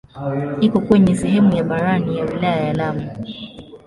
Iko kwenye sehemu ya barani ya wilaya ya Lamu.